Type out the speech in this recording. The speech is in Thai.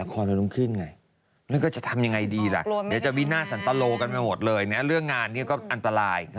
เขาเพิ่งมีแฟนด้วยหรือเปล่า